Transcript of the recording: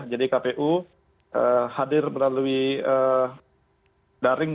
jadi kpu hadir melalui daring